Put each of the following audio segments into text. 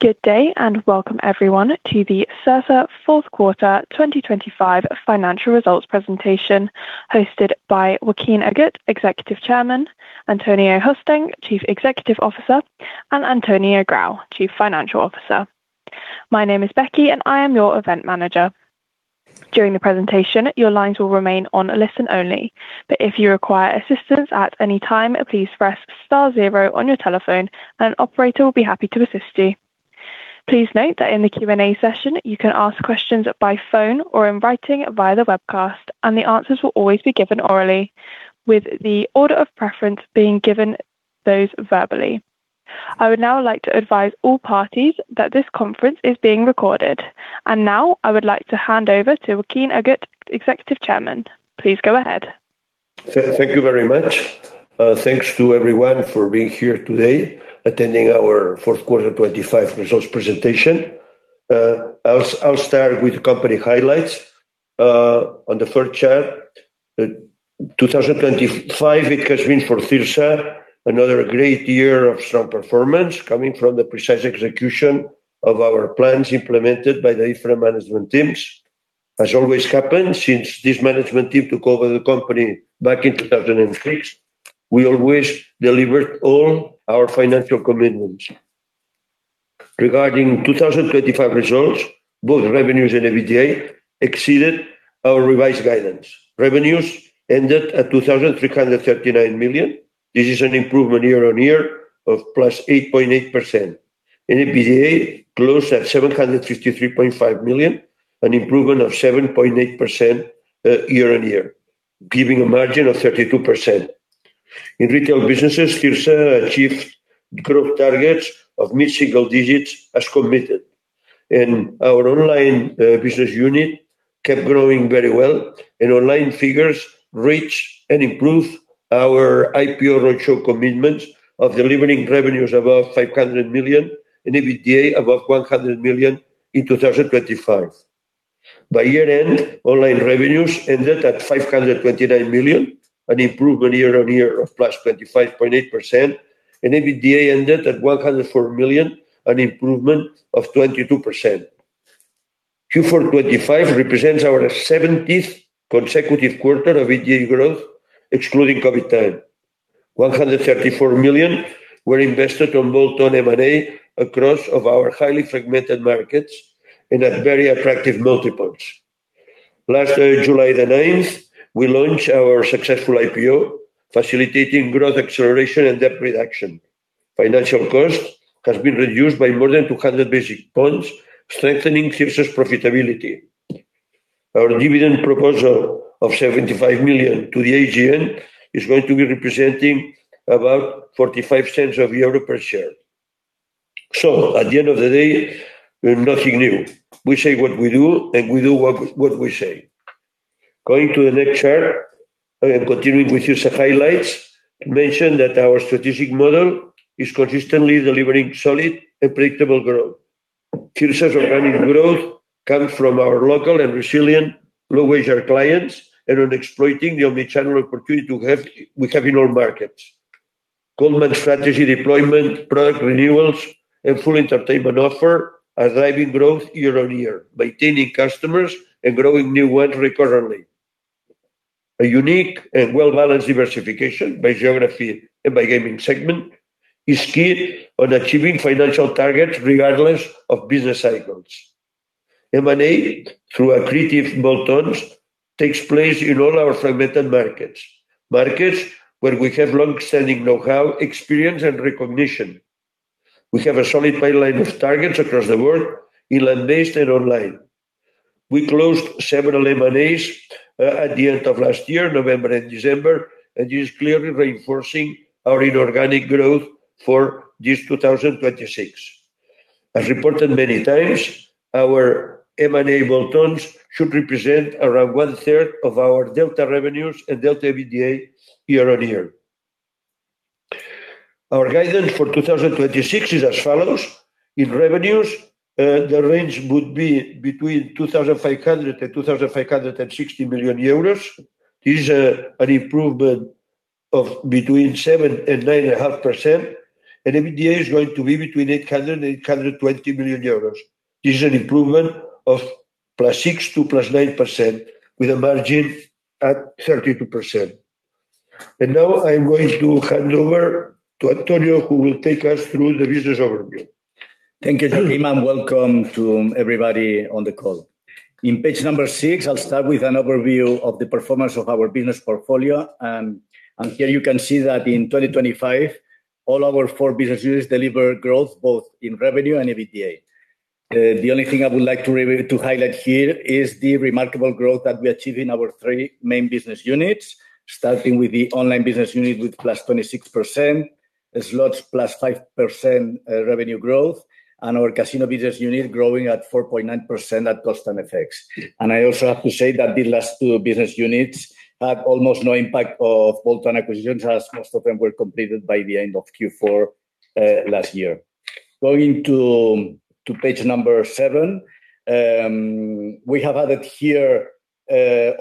Good day, and welcome everyone to the CIRSA Q4 2025 financial results presentation, hosted by Joaquim Agut, Executive Chairman, Antonio Hostench, Chief Executive Officer, and Antonio Grau, Chief Financial Officer. My name is Becky, and I am your event manager. During the presentation, your lines will remain on listen only, but if you require assistance at any time, please press star zero on your telephone and an operator will be happy to assist you. Please note that in the Q&A session, you can ask questions by phone or in writing via the webcast, and the answers will always be given orally, with the order of preference being given those verbally. I would now like to advise all parties that this conference is being recorded. Now I would like to hand over to Joaquim Agut, Executive Chairman. Please go ahead. Thank you very much. Thanks to everyone for being here today, attending our Q4 2025 results presentation. I'll start with the company highlights. On the third chart, 2025, it has been for Cirsa, another great year of strong performance coming from the precise execution of our plans implemented by the different management teams. As always happened, since this management team took over the company back in 2006, we always delivered all our financial commitments. Regarding 2025 results, both revenues and EBITDA exceeded our revised guidance. Revenues ended at 2,339 million. This is an improvement year-over-year of +8.8%. EBITDA closed at 753.5 million, an improvement of 7.8% year-on-year, giving a margin of 32%. In retail businesses, Cirsa achieved growth targets of mid-single digits as committed, our online business unit kept growing very well, online figures reach and improve our IPO ratio commitments of delivering revenues above 500 million and EBITDA above 100 million in 2025. By year-end, online revenues ended at 529 million, an improvement year-on-year of +25.8%, EBITDA ended at 104 million, an improvement of 22%. Q4 2025 represents our seventieth consecutive quarter of EBITDA growth, excluding COVID time. 134 million were invested on bolt-on M&A across of our highly fragmented markets and at very attractive multiples. Last July the ninth, we launched our successful IPO, facilitating growth, acceleration, and debt reduction. Financial cost has been reduced by more than 200 basic points, strengthening Cirsa's profitability. Our dividend proposal of 75 million to the AGM is going to be representing about 0.45 per share. At the end of the day, we're nothing new. We say what we do, and we do what we say. Going to the next chart, and continuing with Cirsa highlights, mention that our strategic model is consistently delivering solid and predictable growth. Cirsa's organic growth comes from our local and resilient low-wage clients, and on exploiting the omnichannel opportunity we have in all markets. go-to-market strategy deployment, product renewals, and full entertainment offer are driving growth year-over-year by retaining customers and growing new ones repeatedly. A unique and well-balanced diversification by geography and by gaming segment is key on achieving financial targets regardless of business cycles. M&A, through accretive bolt-ons, takes place in all our fragmented markets. Markets where we have long-standing know-how, experience, and recognition. We have a solid pipeline of targets across the world, in land-based and online. We closed several M&As at the end of last year, November and December, and is clearly reinforcing our inorganic growth for this 2026. As reported many times, our M&A bolt-ons should represent around one-third of our delta revenues and delta EBITDA year-on-year. Our guidance for 2026 is as follows: in revenues, the range would be between 2,500 and 2,560 million euros. This is an improvement of between 7% and 9.5%. EBITDA is going to be between 800 million euros and 820 million euros. This is an improvement of +6% to +9%, with a margin at 32%. Now I'm going to hand over to Antonio, who will take us through the business overview. Thank you, Joaquin. Welcome to everybody on the call. In page 6, I'll start with an overview of the performance of our business portfolio. Here you can see that in 2025, all our 4 business units delivered growth both in revenue and EBITDA. The only thing I would like to highlight here is the remarkable growth that we achieved in our 3 main business units, starting with the online business unit with +26%, slots +5% revenue growth, and our casino business unit growing at 4.9% at constant FX. I also have to say that the last 2 business units had almost no impact of bolt-on acquisitions, as most of them were completed by the end of Q4 last year. Going to page 7, we have added.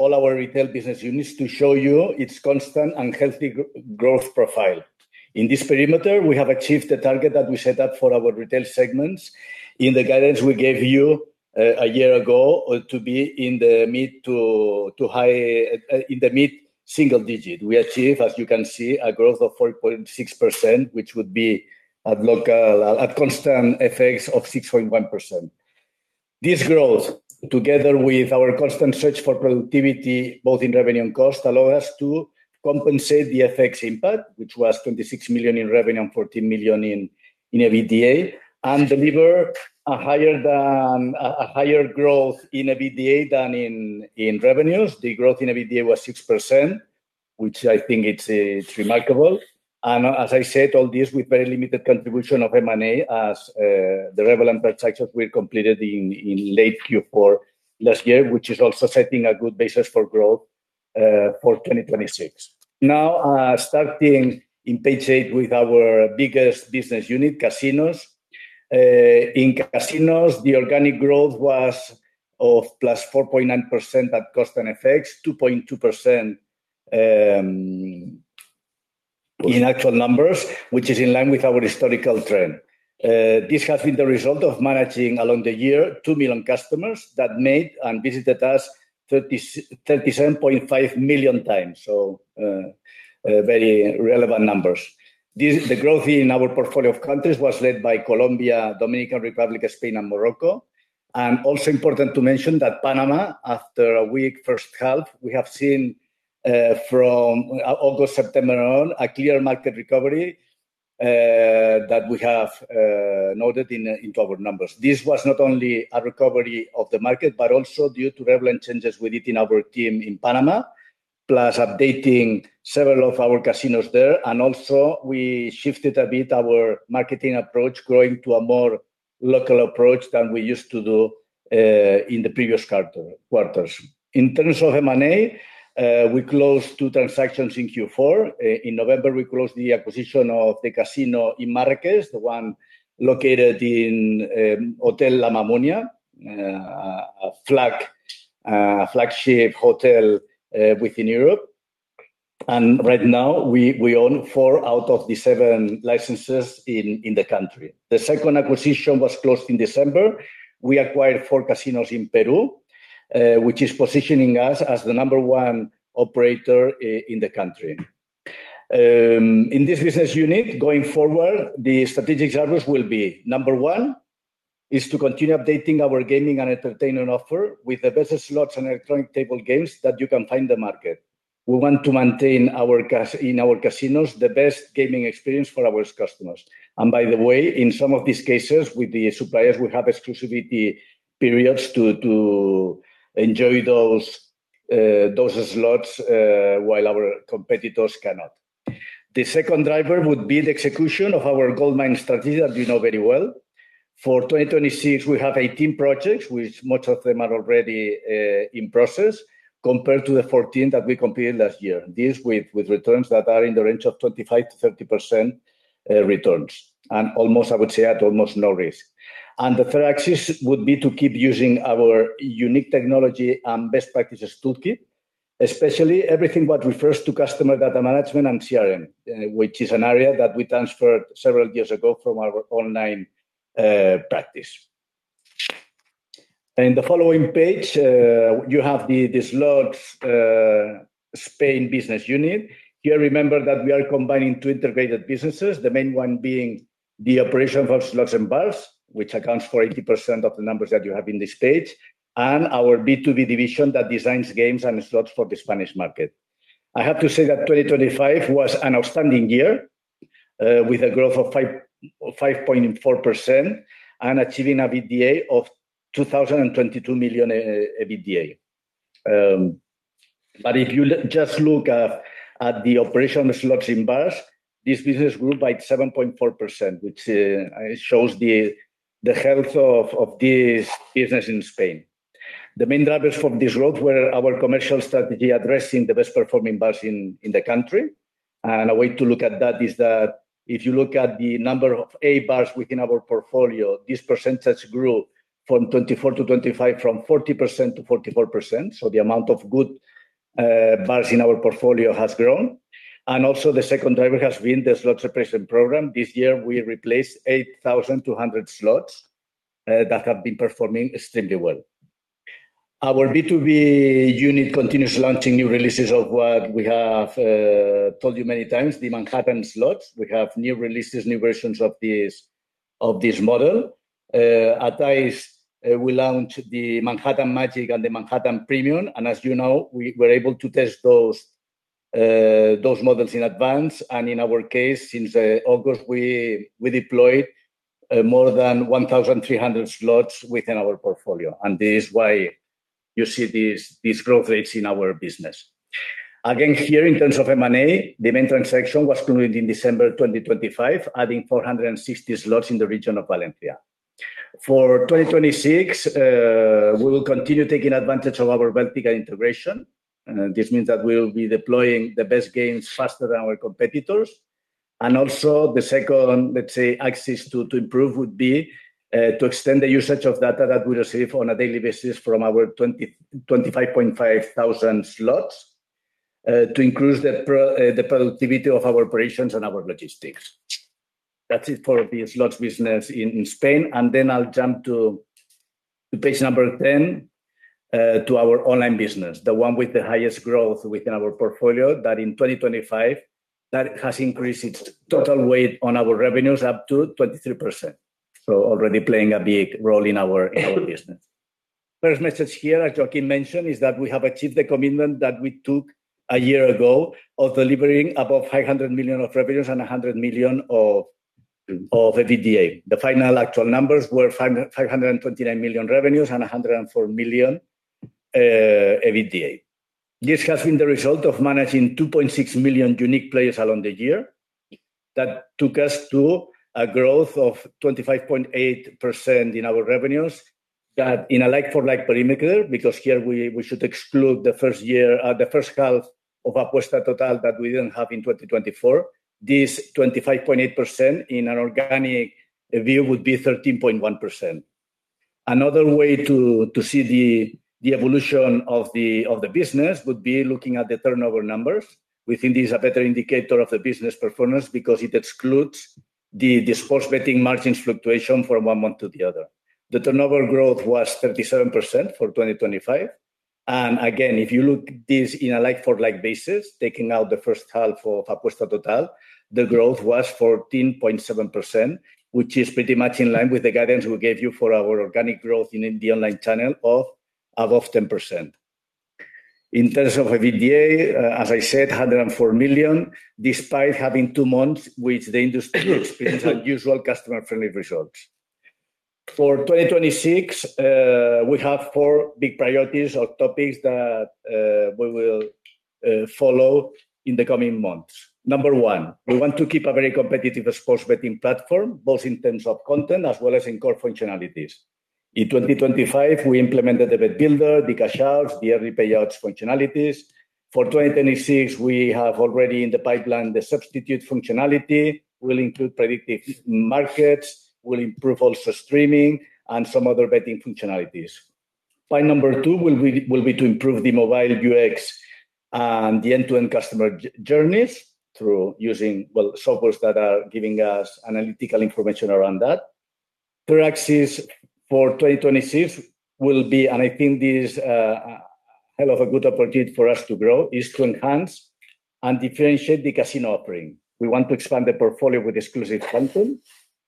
all our retail business units to show you its constant and healthy growth profile. In this perimeter, we have achieved the target that we set up for our retail segments. In the guidance we gave you a year ago to be in the mid to high in the mid-single digit. We achieved, as you can see, a growth of 4.6%, which would be at local, at constant FX of 6.1%. This growth, together with our constant search for productivity, both in revenue and cost, allow us to compensate the FX impact, which was 26 million in revenue and 14 million in EBITDA, and deliver a higher than a higher growth in EBITDA than in revenues. The growth in EBITDA was 6%, which I think it's remarkable. As I said, all this with very limited contribution of M&A, as the relevant purchases were completed in late Q4 last year, which is also setting a good basis for growth for 2026. Now, starting in page 8 with our biggest business unit, casinos. In casinos, the organic growth was of +4.9% at cost and FX, 2.2% in actual numbers, which is in line with our historical trend. This has been the result of managing along the year, 2 million customers that made and visited us 37.5 million times, so very relevant numbers. The growth in our portfolio of countries was led by Colombia, Dominican Republic, Spain, and Morocco. Important to mention that Panama, after a weak first half, we have seen from August, September on, a clear market recovery that we have noted in our numbers. This was not only a recovery of the market, but also due to relevant changes within our team in Panama, plus updating several of our casinos there. We shifted a bit our marketing approach, growing to a more local approach than we used to do in the previous quarters. In terms of M&A, we closed 2 transactions in Q4. In November, we closed the acquisition of the casino in Marrakech, the one located in Hotel La Mamounia, a flagship hotel within Europe. Right now, we own 4 out of the 7 licenses in the country. The second acquisition was closed in December. We acquired 4 casinos in Peru, which is positioning us as the number one operator in the country. In this business unit, going forward, the strategic drivers will be: number one, is to continue updating our gaming and entertainment offer with the best slots and Electronic Table Games that you can find in the market. We want to maintain in our casinos, the best gaming experience for our customers. By the way, in some of these cases, with the suppliers, we have exclusivity periods to enjoy those slots while our competitors cannot. The second driver would be the execution of our goldmine strategy, as you know very well. For 2026, we have 18 projects, which most of them are already in process, compared to the 14 that we completed last year. This with returns that are in the range of 25%-30% returns, and almost, I would say, at almost no risk. The third axis would be to keep using our unique technology and best practices toolkit, especially everything what refers to customer data management and CRM, which is an area that we transferred several years ago from our online practice. In the following page, you have the slots Spain business unit. Here, remember that we are combining two integrated businesses, the main one being the operation of slots and BARS, which accounts for 80% of the numbers that you have in this page, and our B2B division that designs games and slots for the Spanish market. I have to say that 2025 was an outstanding year, with a growth of 5.4% and achieving a EBITDA of 2,022 million. If you just look at the operational slots in bars, this business grew by 7.4%, which shows the health of this business in Spain. The main drivers from this growth were our commercial strategy, addressing the best-performing bars in the country. A way to look at that is that if you look at the number of A bars within our portfolio, this percentage grew from 24 to 25, from 40% to 44%. The amount of good bars in our portfolio has grown. Also, the second driver has been the slots suppression program. This year, we replaced 8,200 slots that have been performing extremely well. Our B2B unit continues launching new releases of what we have told you many times, the Manhattan slots. We have new releases, new versions of this model. At ICE, we launched the Manhattan Magic and the Manhattan Premium, as you know, we were able to test those models in advance. In our case, since August, we deployed more than 1,300 slots within our portfolio, and this is why you see these growth rates in our business. Again, here, in terms of M&A, the main transaction was concluded in December 2025, adding 460 slots in the region of Valencia. For 2026, we will continue taking advantage of our Beltika integration. This means that we'll be deploying the best games faster than our competitors. Also the second, let's say, axis to improve would be to extend the usage of data that we receive on a daily basis from our 25.5 thousand slots to increase the productivity of our operations and our logistics. That's it for the slots business in Spain, and then I'll jump to page number 10 to our online business, the one with the highest growth within our portfolio, that in 2025 has increased its total weight on our revenues up to 23%. Already playing a big role in our, in our business. First message here, as Joaquim Agut mentioned, is that we have achieved the commitment that we took a year ago of delivering above 500 million of revenues and 100 million of EBITDA. The final actual numbers were 529 million revenues and 104 million EBITDA. This has been the result of managing 2.6 million unique players along the year. That took us to a growth of 25.8% in our revenues, that in a like for like perimeter, because here we should exclude the first year, the first half of Apuesta Total that we didn't have in 2024. This 25.8% in an organic view would be 13.1%. Another way to see the evolution of the business would be looking at the turnover numbers. We think this is a better indicator of the business performance because it excludes the sports betting margins fluctuation from one month to the other. Again, if you look this in a like for like basis, taking out the first half of Apuesta Total, the turnover growth was 37% for 2025, and the growth was 14.7%, which is pretty much in line with the guidance we gave you for our organic growth in the online channel of above 10%. In terms of EBITDA, as I said, 104 million, despite having two months, which the industry experienced unusual customer-friendly results. For 2026, we have four big priorities or topics that we will follow in the coming months. Number one, we want to keep a very competitive sports betting platform, both in terms of content as well as in core functionalities. In 2025, we implemented the Bet Builder, the Cash Out, the Early Payouts functionalities. For 2026, we have already in the pipeline, the substitute functionality, will include prediction markets, will improve also streaming and some other betting functionalities. Point number 2 will be to improve the mobile UX and the end-to-end customer journeys through using, well, softwares that are giving us analytical information around that. Third axis for 2026 will be, and I think this is hell of a good opportunity for us to grow, is to enhance and differentiate the casino offering. We want to expand the portfolio with exclusive content.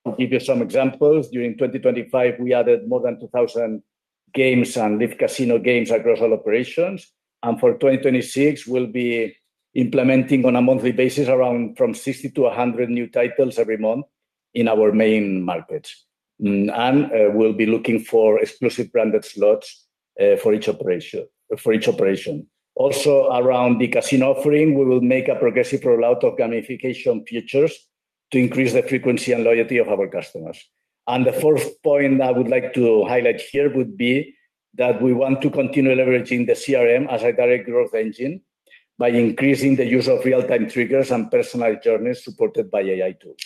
I'll give you some examples. During 2025, we added more than 2,000 games and Live Casino games across all operations, for 2026, we'll be implementing on a monthly basis around from 60-100 new titles every month in our main markets. We'll be looking for exclusive branded slots for each operation. Also, around the casino offering, we will make a progressive rollout of gamification features to increase the frequency and loyalty of our customers. The fourth point I would like to highlight here would be that we want to continue leveraging the CRM as a direct growth engine by increasing the use of real-time triggers and personalized journeys supported by AI tools.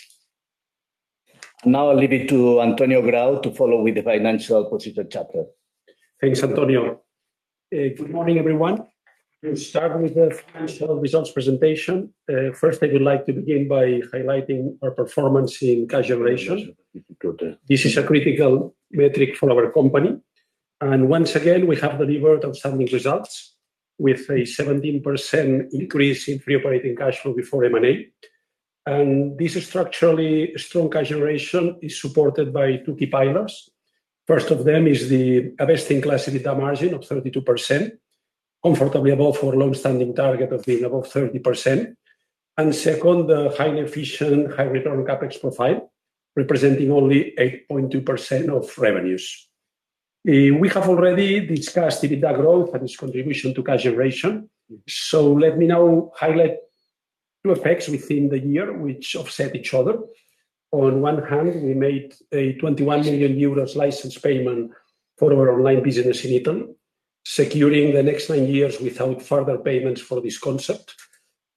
Now, I'll leave it to Antonio Grau to follow with the financial positive chapter. Thanks, Antonio. Good morning, everyone. We'll start with the financial results presentation. First, I would like to begin by highlighting our performance in cash generation. This is a critical metric for our company, and once again, we have delivered outstanding results with a 17% increase in free operating cash flow before M&A. This structurally strong cash generation is supported by two key pillars. First of them is the investing class EBITDA margin of 32%, comfortably above our long-standing target of being above 30%. Second, the highly efficient, high return CapEx profile, representing only 8.2% of revenues. We have already discussed EBITDA growth and its contribution to cash generation, let me now highlight two effects within the year, which offset each other. On one hand, we made a 21 million euros license payment for our online business in Italy, securing the next 9 years without further payments for this concept.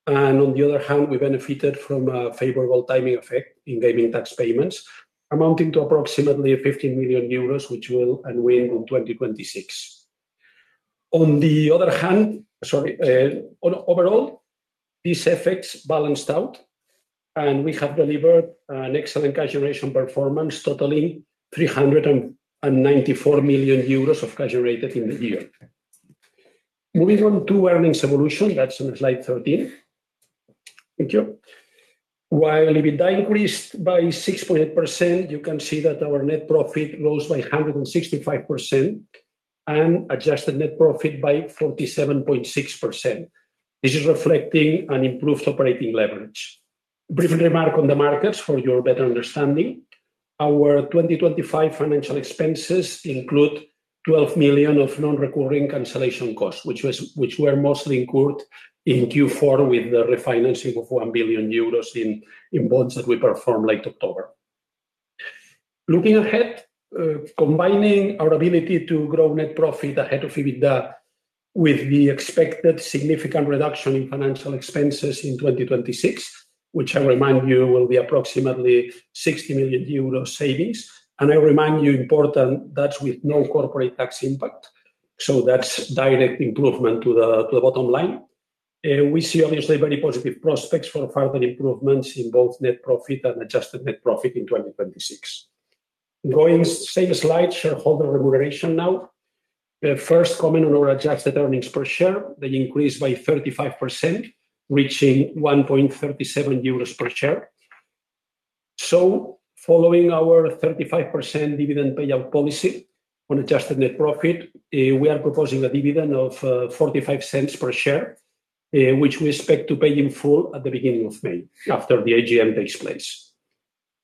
On the other hand, we benefited from a favorable timing effect in gaming tax payments, amounting to approximately 15 million euros, which will in 2026. Sorry, on overall, these effects balanced out, and we have delivered an excellent cash generation performance, totaling 394 million euros of cash generated in the year. Moving on to earnings evolution, that's on slide 13. Thank you. While EBITDA increased by 6.8%, you can see that our net profit rose by 165% and adjusted net profit by 47.6%. This is reflecting an improved operating leverage. Brief remark on the markets for your better understanding. Our 2025 financial expenses include 12 million of non-recurring cancellation costs, which were mostly incurred in Q4 with the refinancing of 1 billion euros in bonds that we performed late October. Looking ahead, combining our ability to grow net profit ahead of EBITDA, with the expected significant reduction in financial expenses in 2026, which I remind you, will be approximately 60 million euros savings. I remind you, important, that's with no corporate tax impact, so that's direct improvement to the bottom line. We see obviously very positive prospects for further improvements in both net profit and adjusted net profit in 2026. Going same slide, shareholder remuneration now. First comment on our adjusted earnings per share, they increased by 35%, reaching 1.37 euros per share. Following our 35% dividend payout policy on adjusted net profit, we are proposing a dividend of 0.45 per share, which we expect to pay in full at the beginning of May, after the AGM takes place.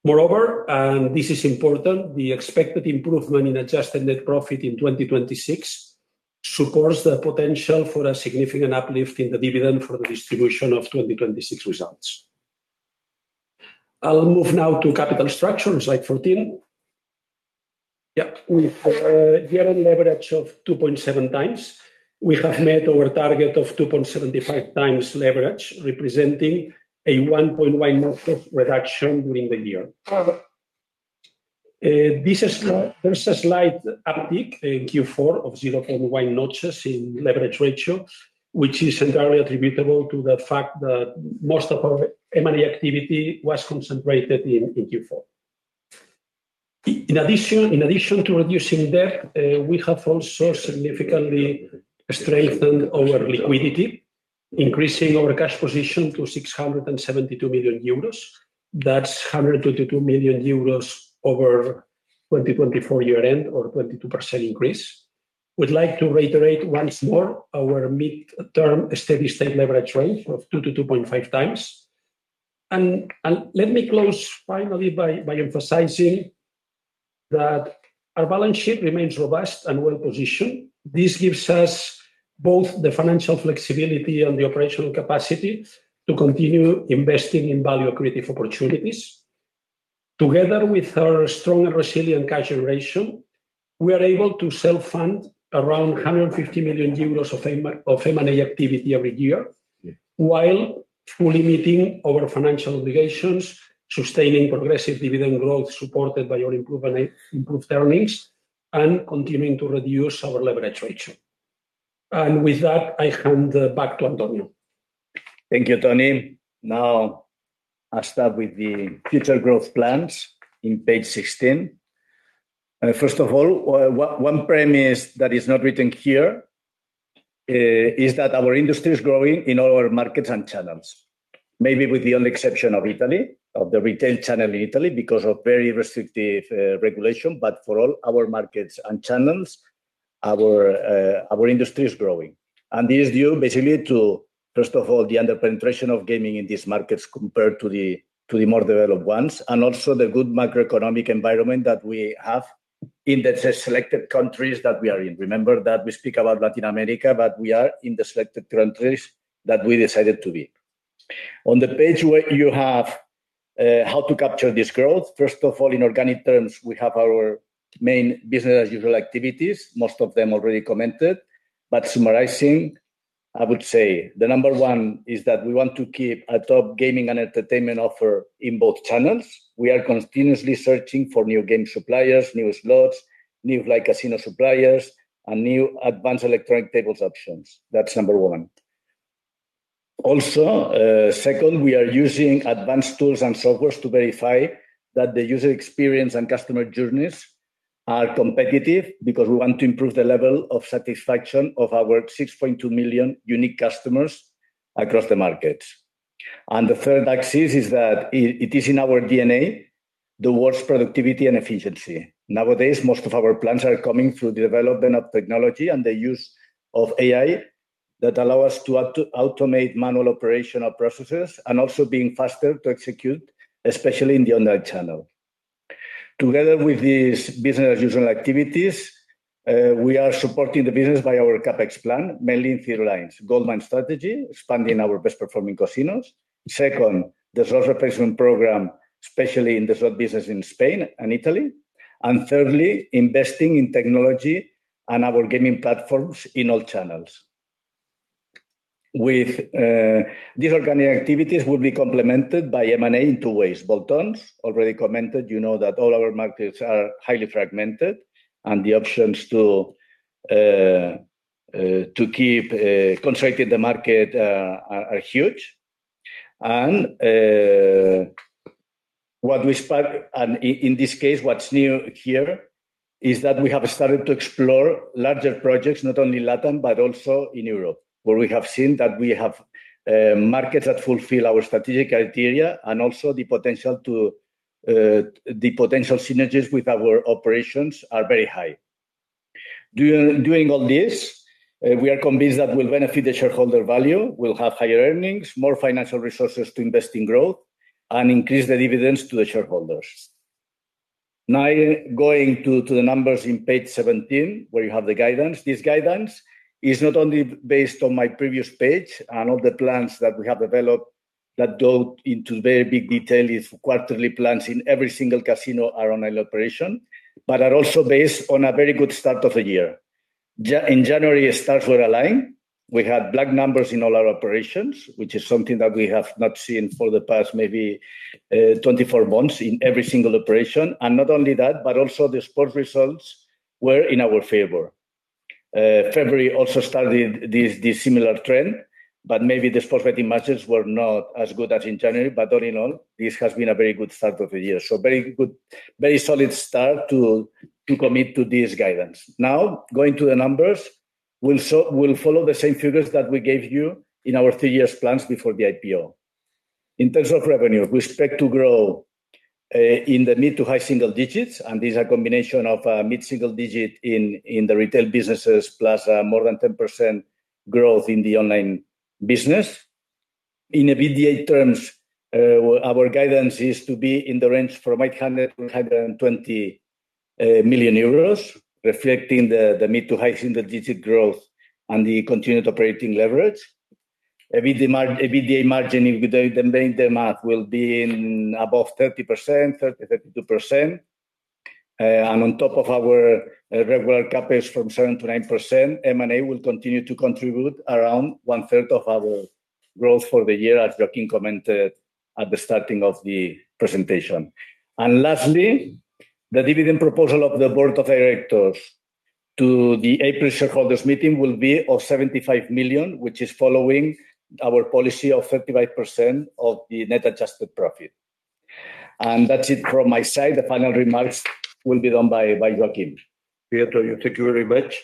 Moreover, this is important, the expected improvement in adjusted net profit in 2026 supports the potential for a significant uplift in the dividend for the distribution of 2026 results. I'll move now to capital structure, slide 14. With year-end leverage of 2.7x, we have made our target of 2.75x leverage, representing a 1.1 month of reduction during the year. This is, there's a slight uptick in Q4 of 0.1 notches in leverage ratio, which is entirely attributable to the fact that most of our M&A activity was concentrated in Q4. In addition to reducing debt, we have also significantly strengthened our liquidity, increasing our cash position to 672 million euros. That's 122 million euros over 2024 year end, or 22% increase. We'd like to reiterate once more our mid-term steady-state leverage range of 2-2.5x. Let me close finally, by emphasizing that our balance sheet remains robust and well-positioned. This gives us both the financial flexibility and the operational capacity to continue investing in value-accretive opportunities. Together with our strong and resilient cash generation, we are able to self-fund around 150 million euros of M&A activity every year, while fully meeting our financial obligations, sustaining progressive dividend growth supported by our improved earnings, and continuing to reduce our leverage ratio. With that, I hand back to Antonio. Thank you, Toni. I start with the future growth plans in page 16. First of all, one premise that is not written here is that our industry is growing in all our markets and channels. Maybe with the only exception of Italy, of the retail channel in Italy, because of very restrictive regulation, but for all our markets and channels, our industry is growing. This is due basically to, first of all, the under-penetration of gaming in these markets compared to the more developed ones, and also the good macroeconomic environment that we have in the selected countries that we are in. Remember that we speak about Latin America, but we are in the selected countries that we decided to be. On the page where you have how to capture this growth, first of all, in organic terms, we have our main business as usual activities, most of them already commented. Summarizing, I would say the number one is that we want to keep a top gaming and entertainment offer in both channels. We are continuously searching for new game suppliers, new slots, new Live Casino suppliers, and new advanced Electronic Tables options. That's number one. Also, second, we are using advanced tools and softwares to verify that the user experience and customer journeys are competitive, because we want to improve the level of satisfaction of our 6.2 million unique customers across the markets. The third axis is that it is in our DNA, the worst productivity and efficiency. Nowadays, most of our plans are coming through the development of technology and the use of AI, that allow us to automate manual operational processes, and also being faster to execute, especially in the online channel. Together with these business as usual activities, we are supporting the business by our CapEx plan, mainly in 3 lines: goldmine strategy, expanding our best-performing casinos. Second, the slot replacement program, especially in the slot business in Spain and Italy. Thirdly, investing in technology and our gaming platforms in all channels. These organic activities will be complemented by M&A in 2 ways. Bolt-ons, already commented, you know that all our markets are highly fragmented, and the options to keep contracted the market are huge. What we expect, in this case, what's new here is that we have started to explore larger projects, not only LATAM, but also in Europe, where we have seen that we have markets that fulfill our strategic criteria, and also the potential to the potential synergies with our operations are very high. Doing all this, we are convinced that will benefit the shareholder value. We'll have higher earnings, more financial resources to invest in growth, and increase the dividends to the shareholders. Going to the numbers in page 17, where you have the guidance. This guidance is not only based on my previous page and all the plans that we have developed that go into very big detail if quarterly plans in every single casino are on operation, but are also based on a very good start of the year. In January, stars were aligned. We had black numbers in all our operations, which is something that we have not seen for the past, maybe, 24 months in every single operation. Not only that, but also the sports results were in our favor. February also started this similar trend, but maybe the sports betting matches were not as good as in January. All in all, this has been a very good start of the year. Very good, very solid start to commit to this guidance. Going to the numbers, we'll follow the same figures that we gave you in our 3 years plans before the IPO. In terms of revenue, we expect to grow in the mid to high single digits. These are combination of mid-single digit in the retail businesses, plus more than 10% growth in the online business. In EBITDA terms, our guidance is to be in the range from 800 million-120 million euros, reflecting the mid to high single digit growth and the continued operating leverage. EBITDA margin, if we do the math, will be in above 30%, 30 to 32%. On top of our regular CapEx from 7 to 9%, M&A will continue to contribute around one third of our growth for the year, as Joaquim commented at the starting of the presentation. Lastly, the dividend proposal of the board of directors to the April shareholders meeting will be of 75 million, which is following our policy of 35% of the net adjusted profit. That's it from my side. The final remarks will be done by Joaquim. Pedro, thank you very much.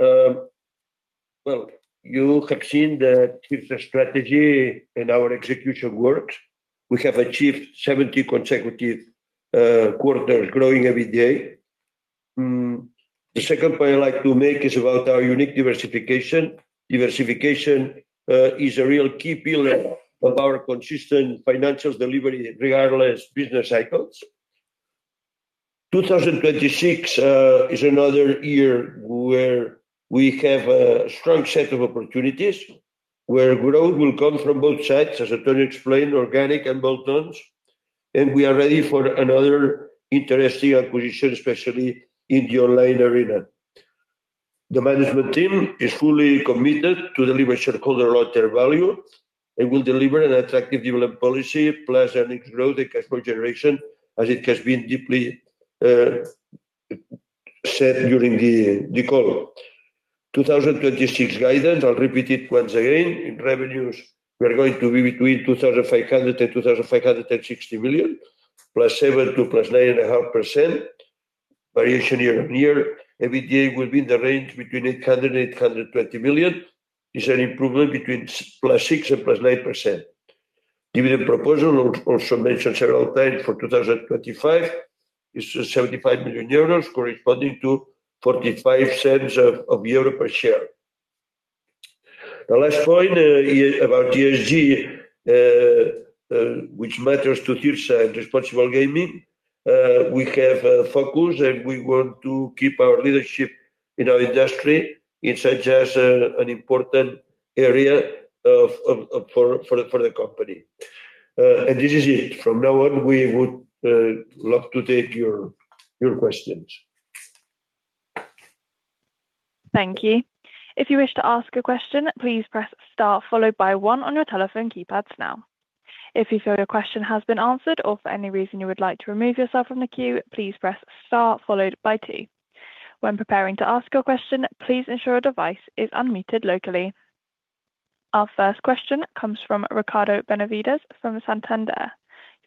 Well, you have seen that the strategy and our execution works. We have achieved 70 consecutive quarters growing every day. The second point I'd like to make is about our unique diversification. Diversification is a real key pillar of our consistent financials delivery, regardless business cycles. 2026 is another year where we have a strong set of opportunities, where growth will come from both sides, as Antonio explained, organic and bolt-ons. We are ready for another interesting acquisition, especially in the online arena. The management team is fully committed to deliver shareholder value. It will deliver an attractive dividend policy, plus an growing cash flow generation, as it has been deeply said during the call. 2026 guidance, I'll repeat it once again, in revenues, we are going to be between 2,500 million and 2,560 million, +7 to +9.5%. Variation year-over-year, EBITDA will be in the range between 800 million and 820 million, is an improvement between +6% and +9%. Dividend proposal, also mentioned several times, for 2025, is 75 million euros, corresponding to 0.45 per share. The last point is about ESG, which matters to you, sir, responsible gaming. We have a focus, and we want to keep our leadership in our industry. It's just an important area for the company. This is it. From now on, we would love to take your questions. Thank you. If you wish to ask a question, please press star followed by one on your telephone keypads now. If you feel your question has been answered or for any reason you would like to remove yourself from the queue, please press star followed by two. When preparing to ask your question, please ensure your device is unmuted locally. Our first question comes from Ricardo Benavides from Santander.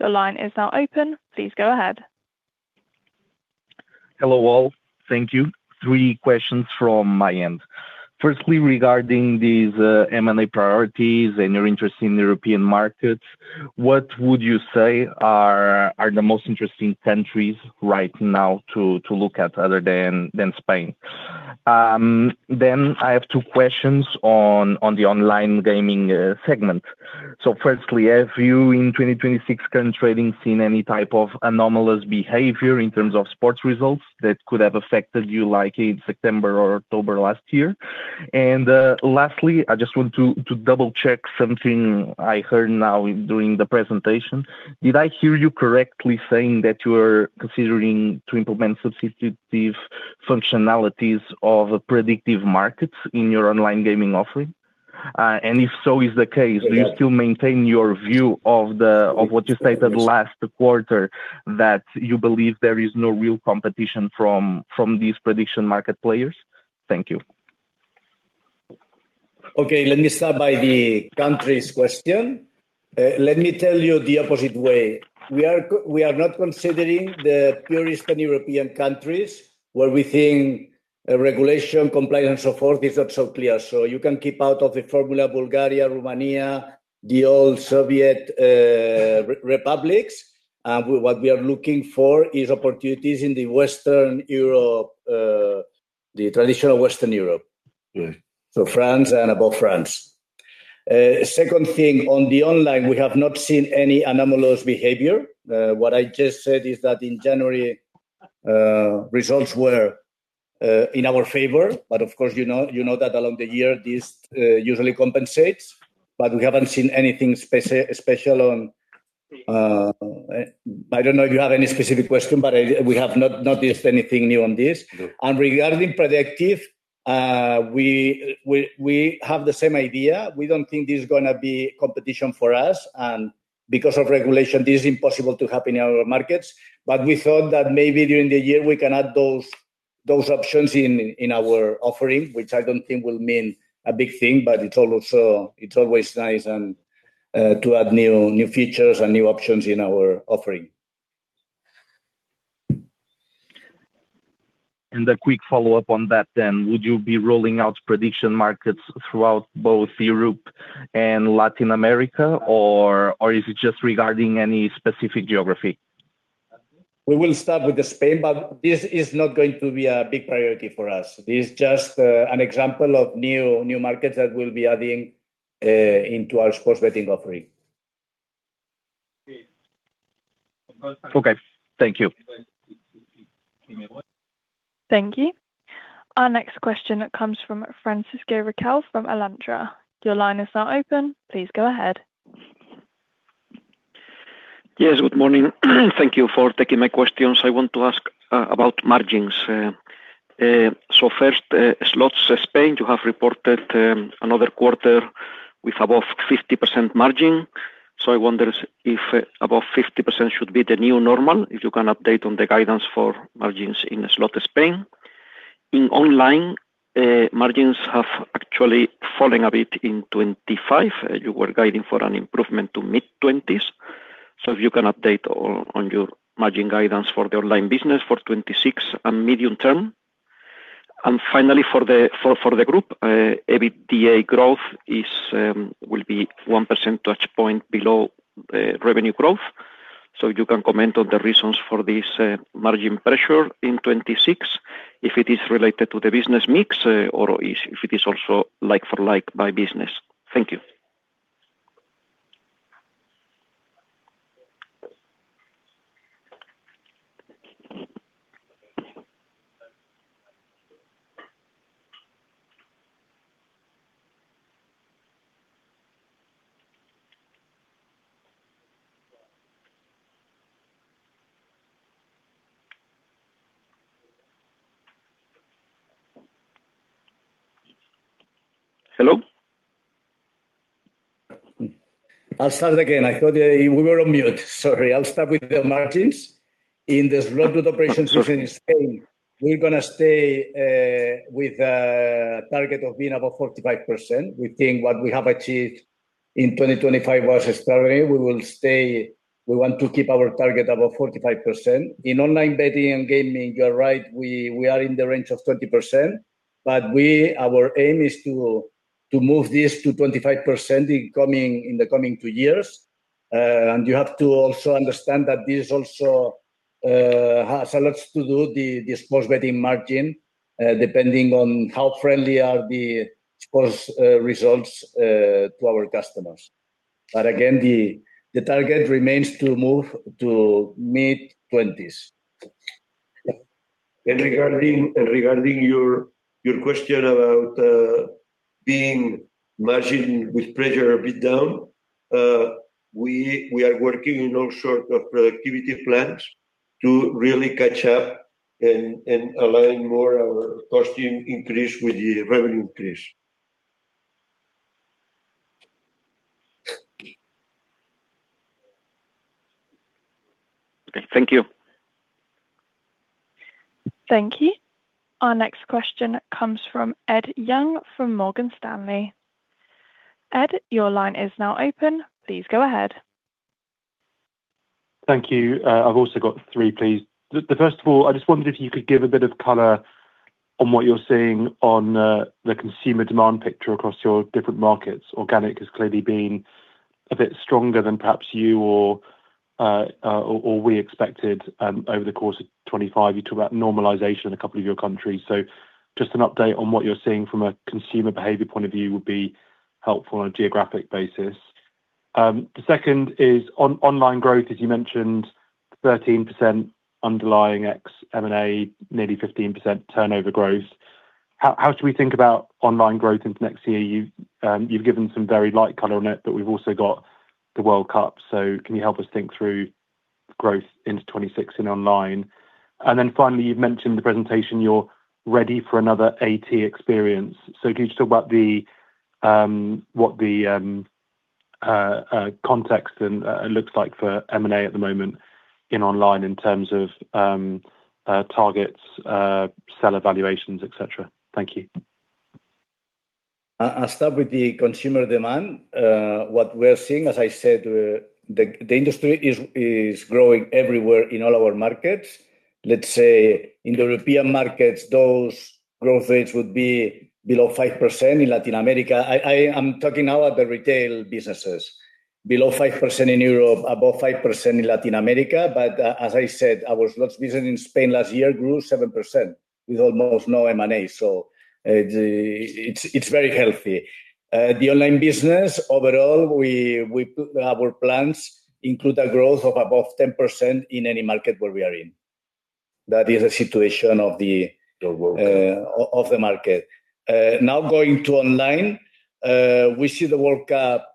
Your line is now open. Please go ahead. Hello, all. Thank you. three questions from my end. Firstly, regarding these M&A priorities and your interest in European markets, what would you say are the most interesting countries right now to look at other than Spain? I have 2 questions on the online gaming segment. Firstly, have you, in 2026, current trading, seen any type of anomalous behavior in terms of sports results that could have affected you, like in September or October last year? Lastly, I just want to double-check something I heard now during the presentation. Did I hear you correctly saying that you are considering to implement substantive functionalities of prediction markets in your online gaming offering? If so is the case- Yes... do you still maintain your view of the, of what you stated-? Yes last quarter, that you believe there is no real competition from these prediction market players? Thank you. Okay, let me start by the countries question. Let me tell you the opposite way. We are not considering the purest and European countries, where we think regulation, compliance, and so forth is not so clear. You can keep out of the formula Bulgaria, Romania, the old Soviet republics. What we are looking for is opportunities in the Western Europe, the traditional Western Europe. France and above France. Second thing, on the online, we have not seen any anomalous behavior. What I just said is that in January, results were in our favor, but of course, you know that along the year, this usually compensates, but we haven't seen anything special on. I don't know if you have any specific question, but I, we have not noticed anything new on this. No. Regarding productivity, we have the same idea. We don't think this is gonna be competition for us, and because of regulation, this is impossible to happen in our markets. We thought that maybe during the year we can add those options in our offering, which I don't think will mean a big thing, but it's also always nice and to add new features and new options in our offering. A quick follow-up on that then. Would you be rolling out prediction markets throughout both Europe and Latin America, or is it just regarding any specific geography? We will start with the Spain, but this is not going to be a big priority for us. This is just an example of new markets that we'll be adding into our sports betting offering. Okay. Thank you. Thank you. Our next question comes from Francisco Riquel from Alantra. Your line is now open, please go ahead. Yes, good morning. Thank you for taking my questions. I want to ask about margins. First, slots, Spain, you have reported another quarter with above 50% margin. I wonder if above 50% should be the new normal, if you can update on the guidance for margins in slot Spain. In online, margins have actually fallen a bit in 2025. You were guiding for an improvement to mid-20s. If you can update on your margin guidance for the online business for 2026 and medium term. Finally, for the group, EBITDA growth will be one percentage point below revenue growth. If you can comment on the reasons for this, margin pressure in 26, if it is related to the business mix, or if it is also like for like by business? Thank you. Hello? I'll start again. I thought we were on mute. Sorry. I'll start with the margins. In the slot operations within Spain, we're gonna stay with a target of being above 45%. We think what we have achieved in 2025 was extraordinary. We want to keep our target above 45%. In online betting and gaming, you're right, we are in the range of 20%, our aim is to move this to 25% in the coming two years. You have to also understand that this also has a lot to do, the sports betting margin, depending on how friendly are the sports results to our customers. Again, the target remains to move to mid-twenties. Regarding your question about being margin with pressure a bit down, we are working in all sort of productivity plans to really catch up and align more our cost increase with the revenue increase. Thank you. Thank you. Our next question comes from Ed Young, from Morgan Stanley. Ed, your line is now open. Please go ahead. Thank you. I've also got 3, please. The first of all, I just wondered if you could give a bit of color on what you're seeing on the consumer demand picture across your different markets. Organic has clearly been a bit stronger than perhaps you or we expected over the course of 2025. You talked about normalization in a couple of your countries. Just an update on what you're seeing from a consumer behavior point of view would be helpful on a geographic basis. The second is online growth, as you mentioned, 13% underlying ex M&A, nearly 15% turnover growth. How should we think about online growth into next year? You've given some very light color on it, but we've also got the World Cup, so can you help us think through growth into 2026 in online? Finally, you've mentioned in the presentation you're ready for another AT experience. Could you just talk about what the context looks like for M&A at the moment in online in terms of targets, seller valuations, et cetera? Thank you. I'll start with the consumer demand. What we're seeing, as I said, the industry is growing everywhere in all our markets. Let's say in the European markets, those growth rates would be below 5%. In Latin America, I'm talking now about the retail businesses, below 5% in Europe, above 5% in Latin America. As I said, our slots business in Spain last year grew 7% with almost no M&A, so it's very healthy. The online business, overall, our plans include a growth of above 10% in any market where we are in. That is a situation of the market. Now going to online, we see the World Cup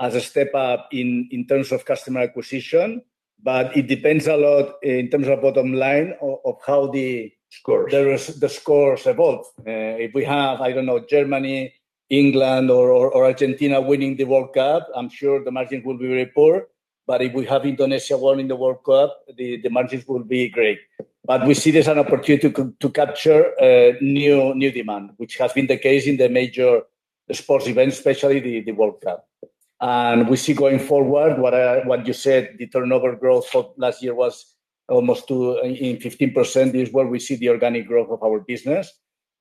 as a step up in terms of customer acquisition, but it depends a lot in terms of bottom line of how. Scores. The scores evolve. If we have, I don't know, Germany, England, or Argentina winning the World Cup, I'm sure the margin will be very poor. If we have Indonesia winning the World Cup, the margins will be great. We see this as an opportunity to capture new demand, which has been the case in the major sports events, especially the World Cup. We see going forward, what you said, the turnover growth for last year was 15% is where we see the organic growth of our business.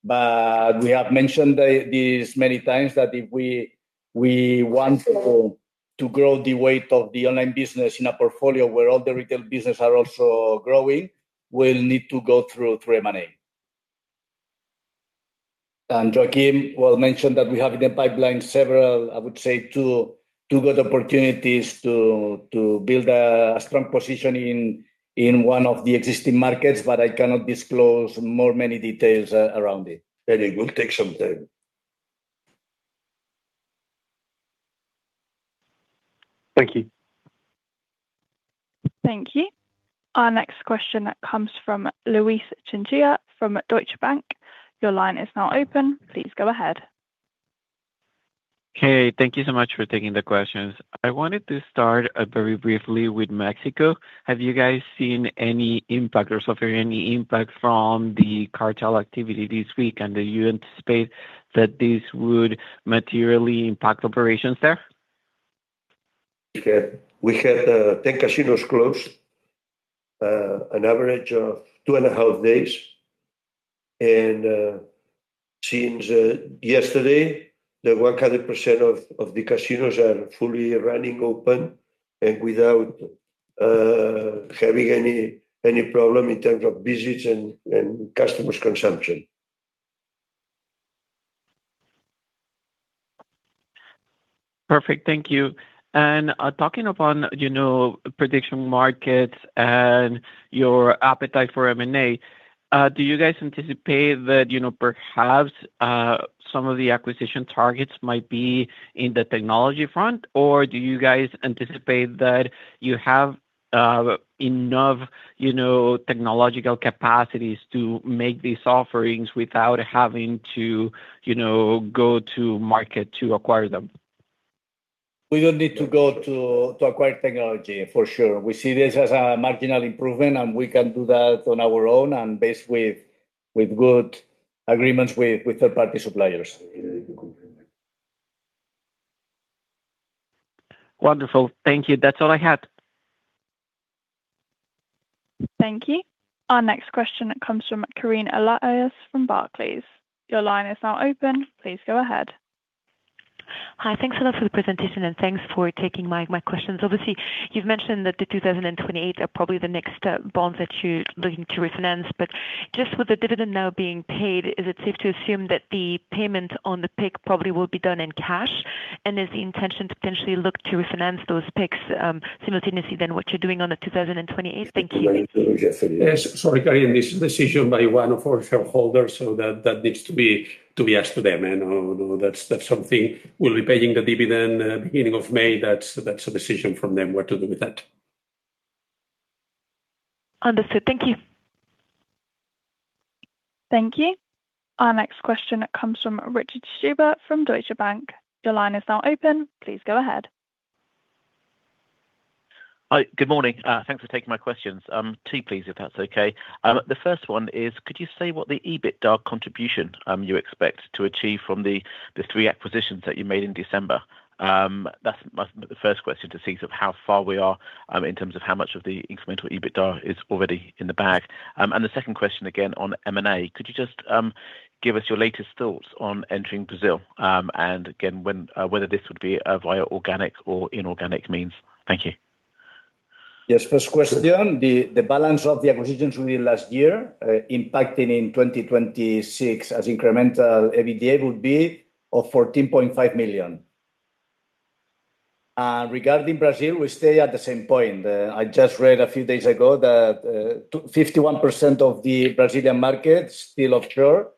We have mentioned this many times that if we want to grow the weight of the online business in a portfolio where all the retail business are also growing, we'll need to go through M&A. Joaquim well mentioned that we have in the pipeline several, I would say two good opportunities to build a strong position in one of the existing markets, but I cannot disclose more many details around it. Yeah, it will take some time. Thank you. Thank you. Our next question comes from Luis Chinchilla from Deutsche Bank. Your line is now open, please go ahead. Hey, thank you so much for taking the questions. I wanted to start, very briefly with Mexico. Have you guys seen any impact or suffering any impact from the cartel activity this week? Do you anticipate that this would materially impact operations there? We had 10 casinos closed, an average of 2 and a half days. Since yesterday, the 100% of the casinos are fully running open and without having any problem in terms of visits and customers' consumption. Perfect. Thank you. Talking upon, you know, prediction markets and your appetite for M&A, do you guys anticipate that, you know, perhaps, some of the acquisition targets might be in the technology front? Or do you guys anticipate that you have, enough, you know, technological capacities to make these offerings without having to, you know, go to market to acquire them? We don't need to go to acquire technology, for sure. We see this as a marginal improvement. We can do that on our own and based with good agreements with third-party suppliers. Wonderful. Thank you. That's all I had. Thank you. Our next question comes from Karina Elias from Barclays. Your line is now open, please go ahead. Hi, thanks a lot for the presentation, and thanks for taking my questions. Obviously, you've mentioned that the 2028 are probably the next bonds that you're looking to refinance, but just with the dividend now being paid, is it safe to assume that the payment on the PIK probably will be done in cash? Is the intention to potentially look to refinance those PIKs simultaneously than what you're doing on the 2028? Thank you. Yes. Yes. Sorry, Karina, this is decision by one of our shareholders, so that needs to be asked to them. That's something we'll be paying the dividend at the beginning of May. That's a decision from them what to do with that. Understood. Thank you. Thank you. Our next question comes from Richard Stuber from Deutsche Bank. Your line is now open, please go ahead. Hi. Good morning. Thanks for taking my questions. 2, please, if that's okay. Sure. The first one is, could you say what the EBITDA contribution, you expect to achieve from the 3 acquisitions that you made in December? That's my the first question, to see sort of how far we are, in terms of how much of the incremental EBITDA is already in the bag. The second question again on M&A: Could you just, give us your latest thoughts on entering Brazil? And again, when, whether this would be, via organic or inorganic means. Thank you. Yes. First question, the balance of the acquisitions we did last year, impacting in 2026 as incremental EBITDA, would be of 14.5 million. Regarding Brazil, we stay at the same point. I just read a few days ago that 51% of the Brazilian market still offshore,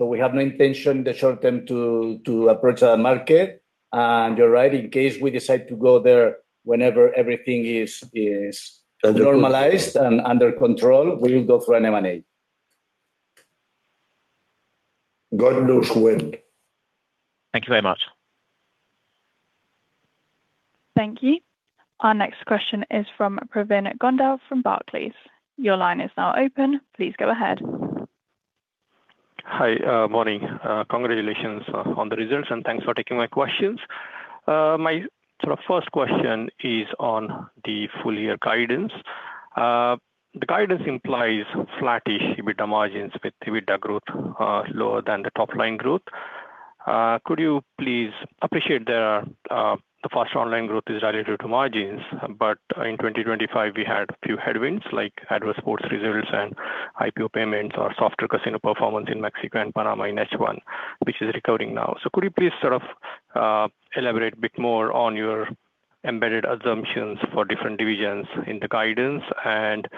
we have no intention in the short term to approach that market. You're right, in case we decide to go there, whenever everything is normalized and under control, we will go for an M&A. God knows when. Thank you very much. Thank you. Our next question is from Pravin Gondhale from Barclays. Your line is now open, please go ahead. Hi, morning. Congratulations on the results, and thanks for taking my questions. My sort of first question is on the full year guidance. The guidance implies flattish EBITDA margins, with EBITDA growth, lower than the top-line growth. Could you please appreciate there are, the faster online growth is related to margins, but in 2025, we had a few headwinds like adverse sports results and IPO payments or softer casino performance in Mexico and Panama in H1, which is recovering now. Could you please sort of, elaborate a bit more on embedded assumptions for different divisions in the guidance and,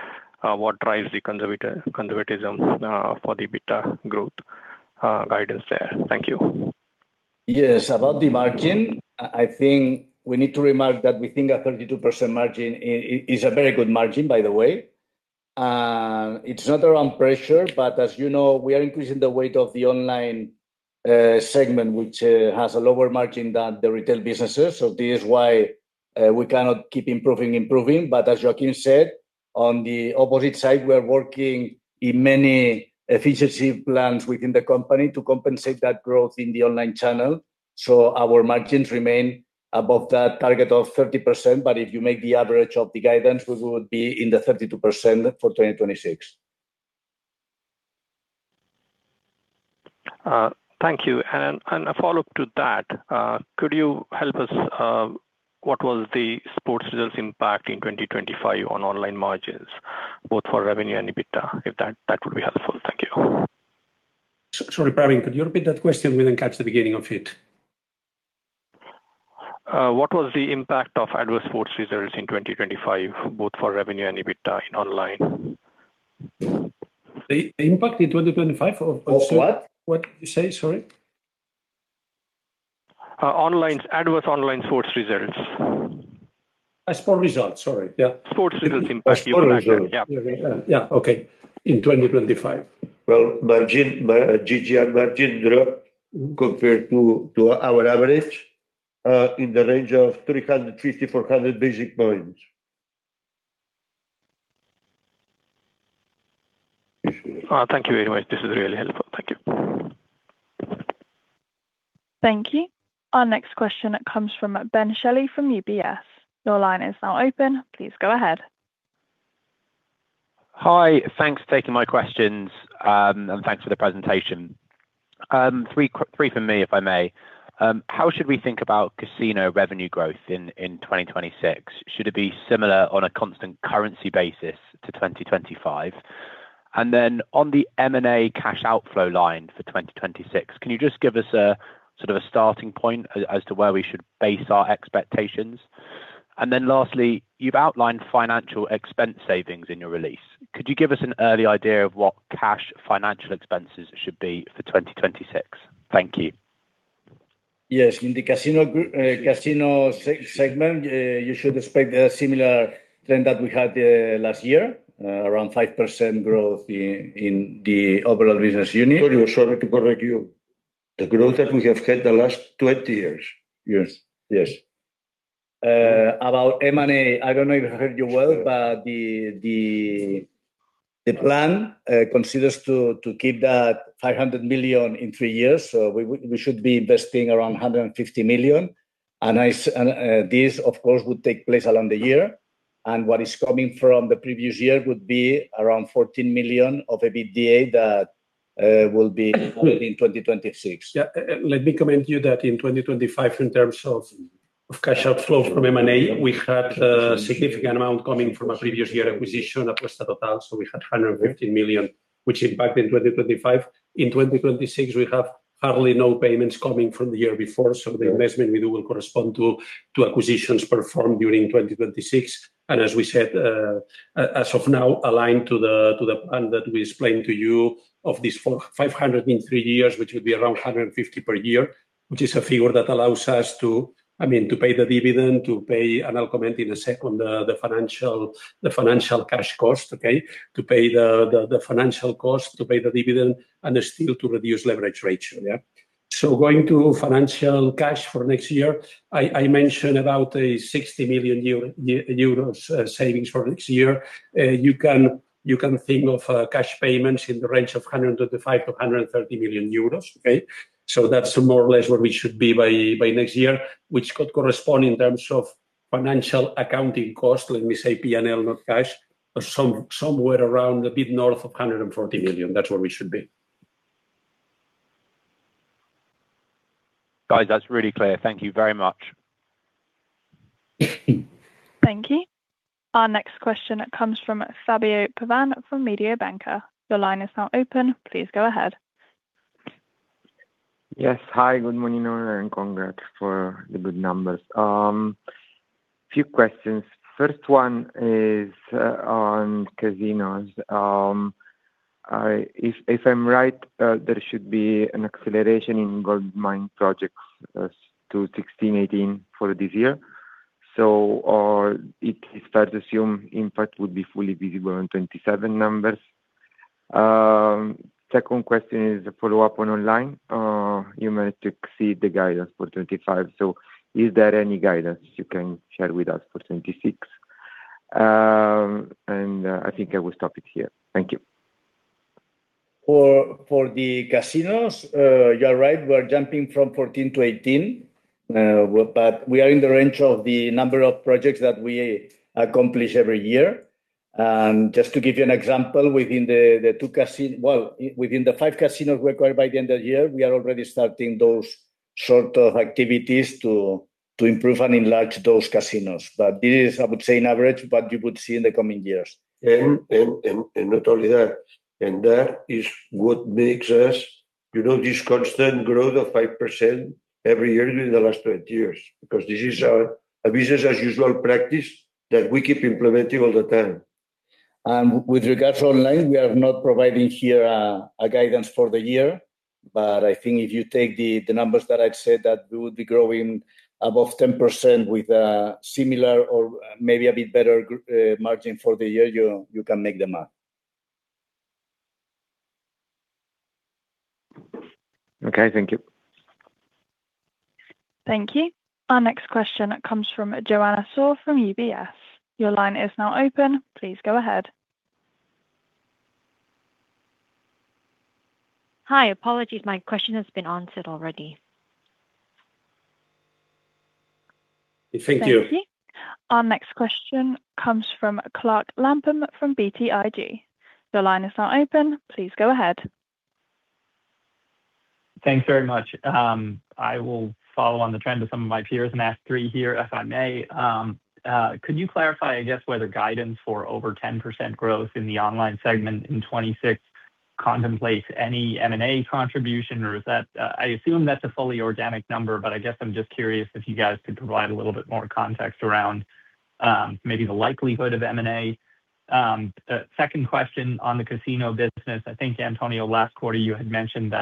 what drives the conservatism, for the EBITDA growth, guidance there? Thank you. Yes, about the margin, I think we need to remark that we think a 32% margin is a very good margin, by the way. It's not around pressure, but as you know, we are increasing the weight of the online segment, which has a lower margin than the retail businesses. This is why we cannot keep improving. As Joaquin said, on the opposite side, we are working in many efficiency plans within the company to compensate that growth in the online channel. Our margins remain above that target of 30%, but if you make the average of the guidance, we would be in the 32% for 2026. Thank you. A follow-up to that, could you help us, what was the sports results impact in 2025 on online margins, both for revenue and EBITDA, if that would be helpful? Thank you. Sorry, Pravin, could you repeat that question? We didn't catch the beginning of it. what was the impact of adverse sports results in 2025, both for revenue and EBITDA in online? The impact in 2025. Of what? What you say, sorry? Adverse online sports results. sport results, sorry. Yeah. Sports results impact, yeah. Yeah. Okay. In 2025. Well, GGR margin dropped compared to our average in the range of 350-400 basic points. Thank you very much. This is really helpful. Thank you. Thank you. Our next question comes from Ben Shelley from UBS. Your line is now open. Please go ahead. Hi, thanks for taking my questions, and thanks for the presentation. Three from me, if I may. How should we think about casino revenue growth in 2026? Should it be similar on a constant currency basis to 2025? On the M&A cash outflow line for 2026, can you just give us a sort of a starting point as to where we should base our expectations? Lastly, you've outlined financial expense savings in your release. Could you give us an early idea of what cash financial expenses should be for 2026? Thank you. Yes. In the casino segment, you should expect a similar trend that we had last year, around 5% growth in the overall business unit. Sorry, to correct you. The growth that we have had the last 20 years. Yes, yes. About M&A, I don't know if I heard you well. The plan considers to keep that 500 million in 3 years. We should be investing around 150 million. This, of course, would take place along the year, and what is coming from the previous year would be around 14 million of EBITDA that will be in 2026. Let me comment you that in 2025, in terms of cash outflows from M&A, we had a significant amount coming from a previous year acquisition of Westside Hotel, so we had 115 million, which impacted 2025. In 2026, we have hardly no payments coming from the year before, so the investment we do will correspond to acquisitions performed during 2026. As we said, as of now, aligned to the plan that we explained to you of this 400-500 in 3 years, which would be around 150 per year, which is a figure that allows us to, I mean, to pay the dividend, to pay. I'll comment in a second the financial cash cost, okay. To pay the financial cost, to pay the dividend, and still to reduce leverage ratio, yeah. Going to financial cash for next year, I mentioned about 60 million euro savings for next year. You can think of cash payments in the range of 135 million euros to 130 million, okay? That's more or less where we should be by next year, which could correspond in terms of financial accounting costs, let me say P&L, not cash, or somewhere around a bit north of 140 million. That's where we should be. Guys, that's really clear. Thank you very much. Thank you. Our next question comes from Fabio Pavan from Mediobanca. Your line is now open. Please go ahead. Yes. Hi, good morning, all, and congrats for the good numbers. Few questions. First one is on casinos. If I'm right, there should be an acceleration in goldmine projects to 16-18 for this year. It is fair to assume impact would be fully visible in 2027 numbers. Second question is a follow-up on online. You managed to exceed the guidance for 2025, is there any guidance you can share with us for 2026? I think I will stop it here. Thank you. For the casinos, you're right, we're jumping from 14 to 18, but we are in the range of the number of projects that we accomplish every year. Just to give you an example, within the 5 casinos we acquired by the end of the year, we are already starting those sort of activities to improve and enlarge those casinos. This is, I would say, an average, what you would see in the coming years. Not only that, and that is what makes us, you know, this constant growth of 5% every year during the last 20 years, because this is our, a business as usual practice that we keep implementing all the time. With regards to online, we are not providing here a guidance for the year, but I think if you take the numbers that I've said, that we would be growing above 10% with similar or maybe a bit better margin for the year, you can make the math. Okay, thank you. Thank you. Our next question comes from Joanna Saw from UBS. Your line is now open. Please go ahead. Hi. Apologies, my question has been answered already. Thank you. Thank you. Our next question comes from Clark Lampen from BTIG. Your line is now open. Please go ahead. Thanks very much. I will follow on the trend of some of my peers and ask three here, if I may. Could you clarify, I guess, whether guidance for over 10% growth in the online segment in 2026 contemplates any M&A contribution, or is that. I assume that's a fully organic number, but I guess I'm just curious if you guys could provide a little bit more context around maybe the likelihood of M&A? Second question on the casino business, I think, Antonio, last quarter, you had mentioned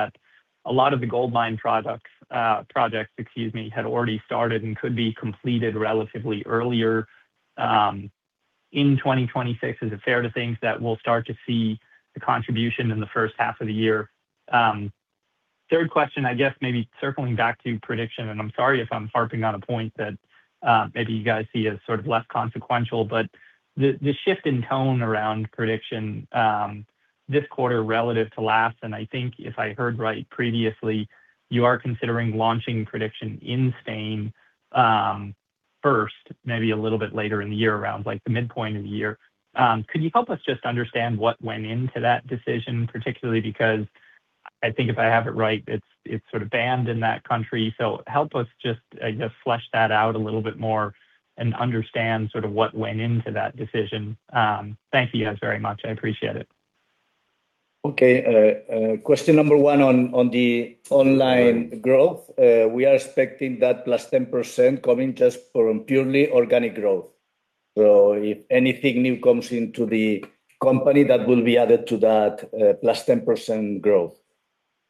that a lot of the goldmine projects, excuse me, had already started and could be completed relatively earlier in 2026. Is it fair to think that we'll start to see the contribution in the first half of the year? Third question, I guess maybe circling back to prediction, I'm sorry if I'm harping on a point that maybe you guys see as less consequential, but the shift in tone around prediction this quarter relative to last, and I think if I heard right previously, you are considering launching prediction in Spain first, maybe a little bit later in the year, around the midpoint of the year. Could you help us just understand what went into that decision, particularly because I think if I have it right, it's banned in that country. Help us just flesh that out a little bit more and understand what went into that decision. Thank you guys very much. I appreciate it. Okay. question number one on the online growth, we are expecting that +10% coming just from purely organic growth. If anything new comes into the company, that will be added to that +10% growth.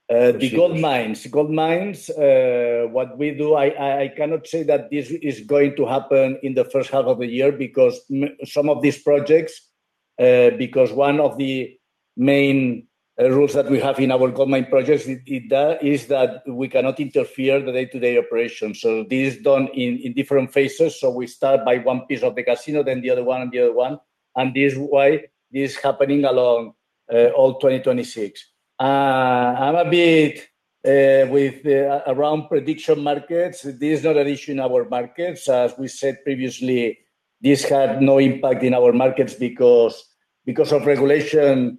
The gold mines. Gold mines, what we do, I cannot say that this is going to happen in the first half of the year because some of these projects, because one of the main rules that we have in our gold mine projects is that we cannot interfere the day-to-day operations. This is done in different phases. We start by one piece of the casino, then the other one, and the other one, and this is why this is happening along all 2026. I'm a bit with around prediction markets, this is not an issue in our markets. As we said previously, this had no impact in our markets because of regulation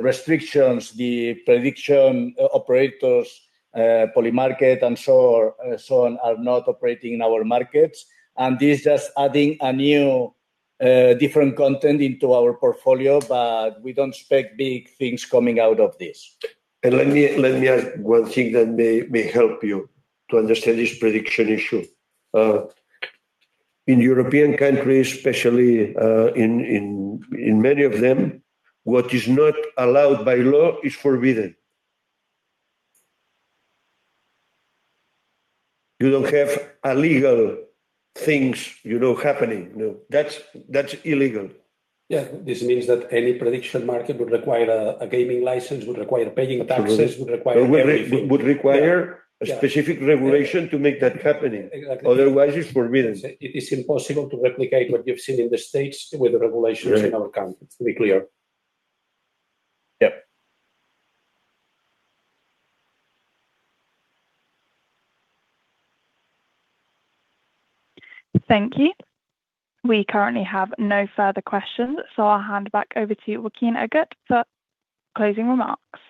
restrictions, the prediction operators, Polymarket, and so on, so on, are not operating in our markets, and this is just adding a new different content into our portfolio, but we don't expect big things coming out of this. Let me add one thing that may help you to understand this prediction issue. In European countries, especially, in many of them, what is not allowed by law is forbidden. You don't have illegal things, you know, happening. That's illegal. Yeah. This means that any prediction market would require a gaming license, would require paying taxes, would require everything. It would. Yeah ... a specific regulation to make that happening. Exactly. Otherwise, it's forbidden. It is impossible to replicate what you've seen in the States with the regulations. Right in our country, to be clear. Yep. Thank you. We currently have no further questions, so I'll hand it back over to you, Joaquin and Agut, for closing remarks.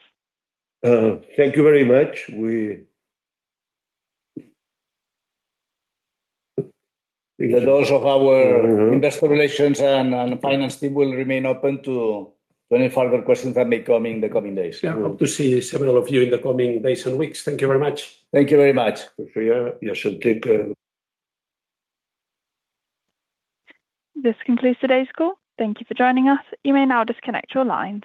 Thank you very much. The doors of. investor relations and finance team will remain open to any further questions that may come in the coming days. Hope to see several of you in the coming days and weeks. Thank you very much. Thank you very much. You should take a- This concludes today's call. Thank you for joining us. You may now disconnect your lines.